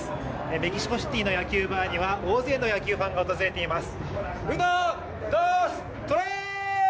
メキシコシティーの野球バーには大勢の野球ファンが訪れています。